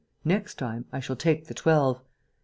Next time, I shall take the twelve.